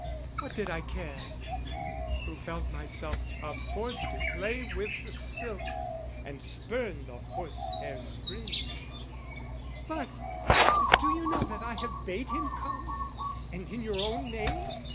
What did I care? who felt myself of force To play with the silk, and spurn the horsehair springe. "But do you know that I have bade him come, "And in your own name?